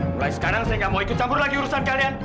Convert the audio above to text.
mulai sekarang saya nggak mau ikut campur lagi urusan kalian